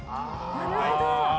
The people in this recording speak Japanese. なるほど！